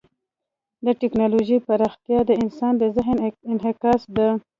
د ټیکنالوژۍ پراختیا د انسان د ذهن انعکاس دی.